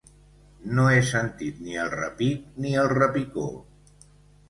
No he sentit ni el repic ni el repicó.